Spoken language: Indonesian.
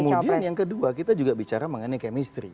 nah itu dia kemudian yang kedua kita juga bicara mengenai chemistry